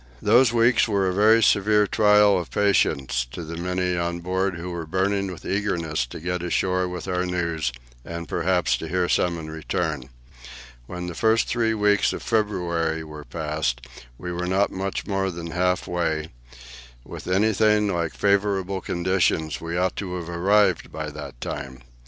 Those weeks were a very severe trial of patience to the many on board who were burning with eagerness to get ashore with our news, and perhaps to hear some in return. When the first three weeks of February were past, we were not much more than half way; with anything like favourable conditions we ought to have arrived by that time.